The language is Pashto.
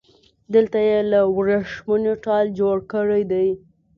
دلته يې له وريښمو ټال جوړ کړی دی